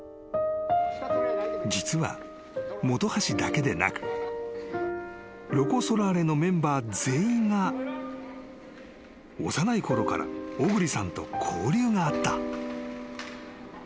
［実は本橋だけでなくロコ・ソラーレのメンバー全員が幼いころから小栗さんと交流があった］